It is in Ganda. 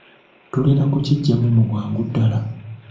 Tulina kukigyamu mu bwangu ddala.